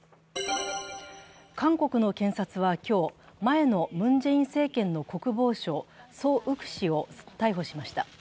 韓国の検察は今日、前のムン・ジェイン政権の国防相、ソ・ウク氏を逮捕しました。